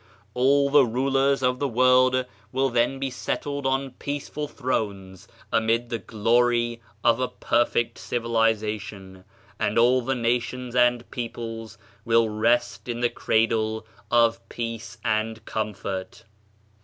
All the rulers of the world will then be settled on peaceful thrones amid the glory of a perfect civilization, and all the nations and peoples will rest in the cradle of peace and comfort.